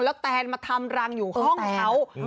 แล้วแตนมาทำรังอยู่ห้องเขา